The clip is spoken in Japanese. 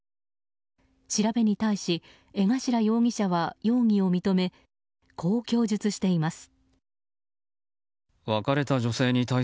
調べに対し江頭容疑者は容疑を認めこう供述しています。